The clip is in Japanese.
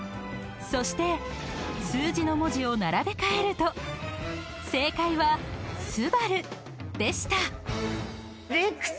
［そして数字の文字を並べ替えると正解はスバルでした］